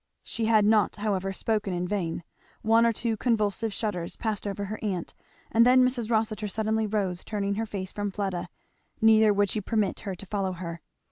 She had not however spoken in vain; one or two convulsive shudders passed over her aunt, and then Mrs. Rossitur suddenly rose turning her face from Fleda; neither would she permit her to follow her.